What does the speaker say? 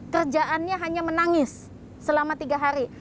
kerjaannya hanya menangis selama tiga hari